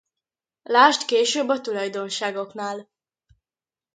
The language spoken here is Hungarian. Lásd később a tulajdonságoknál.